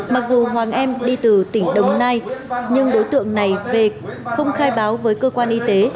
mặc dù hoàng em đi từ tỉnh đồng nai nhưng đối tượng này không khai báo với cơ quan y tế